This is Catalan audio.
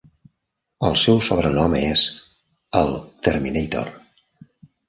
El seu sobrenom és "el Terminator".